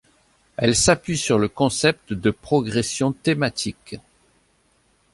Elle s'appuie sur le concept de progression thématique.